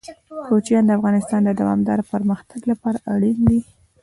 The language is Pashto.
کوچیان د افغانستان د دوامداره پرمختګ لپاره اړین دي.